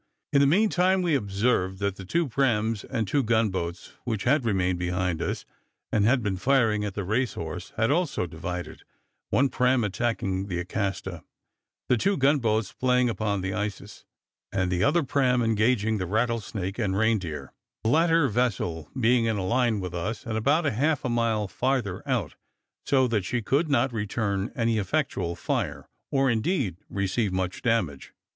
In the meantime, we observed that the two praams, and two gun boats, which had remained behind us, and had been firing at the Racehorse, had also divided one praam attacking the Acasta, the two gun boats playing upon the Isis, and the other praam engaging the Rattlesnake and Reindeer; the latter vessel being in a line with us, and about half a mile farther out, so that she could not return any effectual fire, or, indeed, receive much damage.